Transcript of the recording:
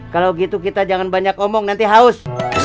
kalau gitu kita jangan banyak omong nanti haus